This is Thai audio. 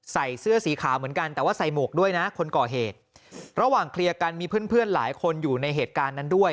ใส่เสื้อสีขาวเหมือนกันแต่ว่าใส่หมวกด้วยนะคนก่อเหตุระหว่างเคลียร์กันมีเพื่อนเพื่อนหลายคนอยู่ในเหตุการณ์นั้นด้วย